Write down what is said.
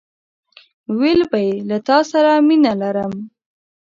ويل به يې له تاسره مينه لرم!